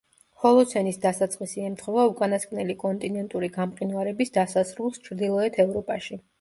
ჰოლოცენის დასაწყისი ემთხვევა უკანასკნელი კონტინენტური გამყინვარების დასასრულს ჩრდილოეთ ევროპაში.